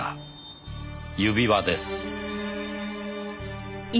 「指輪です」